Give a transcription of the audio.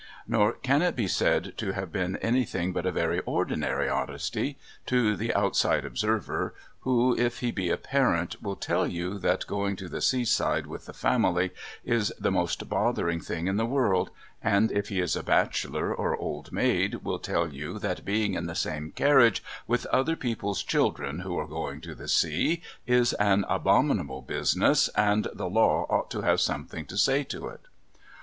Nor can it be said to have been anything but a very ordinary Odyssey to the outside observer who, if he be a parent, will tell you that going to the seaside with the family is the most bothering thing in the world, and if he is a bachelor or old maid will tell you that being in the same carriage with other people's children who are going to the sea is an abominable business and the Law ought to have something to say to it.